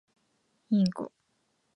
インコ